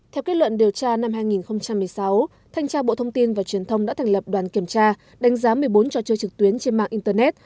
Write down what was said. theo kết luận điều tra năm hai nghìn một mươi sáu thanh tra bộ thông tin và truyền thông đã thành lập đoàn kiểm tra đánh giá một mươi bốn trò chơi trực tuyến trên mạng internet